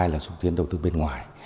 hai là xúc tiến đầu tư bên ngoài